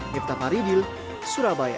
mirta paridil surabaya